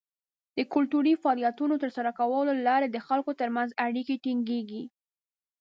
د کلتوري فعالیتونو د ترسره کولو له لارې د خلکو تر منځ اړیکې ټینګیږي.